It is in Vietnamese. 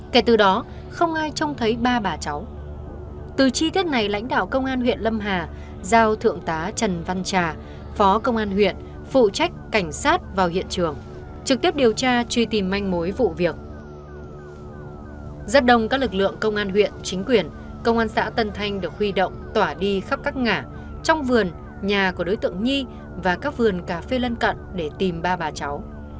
rất đông các lực lượng công an huyện chính quyền công an xã tân thanh được huy động tỏa đi khắp các ngã trong vườn nhà của đối tượng nhi và các vườn cà phê lân cận để tìm ba bà cháu